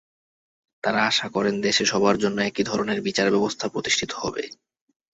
তাঁরা আশা করেন দেশে সবার জন্য একই ধরনের বিচার ব্যবস্থা প্রতিষ্ঠিত হবে।